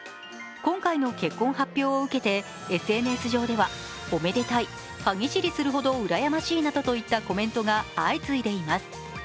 今回の結婚発表を受けてＳＮＳ上ではおめでたい、歯ぎしりするほど羨ましいなどといったコメントが相次いでいます。